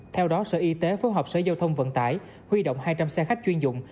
theo đó sở y tế phối hợp sở giao thông vận tải huy động hai trăm linh xe khách chuyên dụng